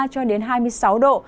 cho đến hai mươi sáu độ